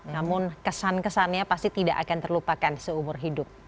namun kesan kesannya pasti tidak akan terlupakan seumur hidup